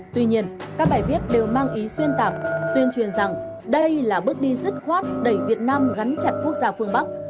tuy nhiên các bài viết đều mang ý xuyên tạc tuyên truyền rằng đây là bước đi rất khoát đẩy việt nam gắn chặt quốc gia phương bắc